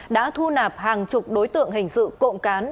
đã thu nạp hàng chục đối tượng hình sự cộng cán